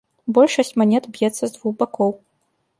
Большасць манет б'ецца з двух бакоў.